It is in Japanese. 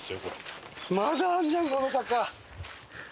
まだあるじゃんこの坂！